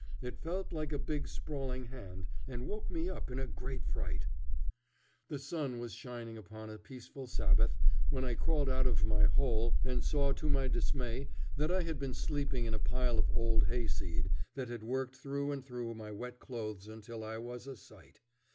It felt like a big sprawling hand, and woke me up in a great fright. The sun was shining upon a peaceful Sabbath when I crawled out of my hole and saw to my dismay that I had been sleeping in a pile of old hay seed that had worked through and through my wet clothes until I was a sight.